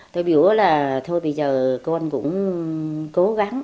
tôi hiểu là thôi bây giờ con cũng cố gắng